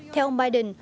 theo ông biden